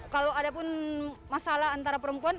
kalau ada pun masalah antara perempuan